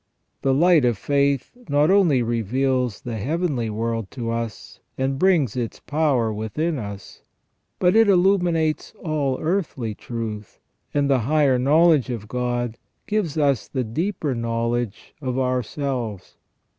The light of faith not only reveals the heavenly world to us, and brings its power within us, but it illuminates all earthly truth, and the higher knowledge of God gives us the deeper knowledge of ourselves.